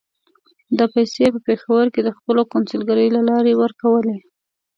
دا پیسې یې په پېښور کې د خپلې کونسلګرۍ له لارې ورکولې.